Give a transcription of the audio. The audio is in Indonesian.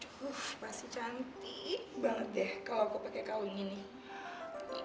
aduh pasti cantik banget deh kalau aku pakai kauling ini